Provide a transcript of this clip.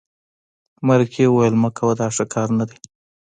مرکې وویل مه کوه دا ښه کار نه دی.